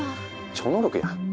超能力やん。